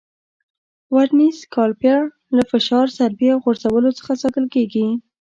ورنیز کالیپر له فشار، ضربې او غورځولو څخه ساتل کېږي.